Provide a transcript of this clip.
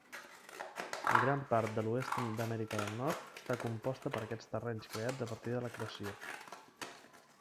Gran part de l'oest d'Amèrica de Nord està composta per aquests terrenys creats a partir de l'acreció.